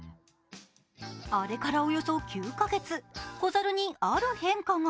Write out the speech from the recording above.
あれからおよそ９カ月、子ザルにある変化が。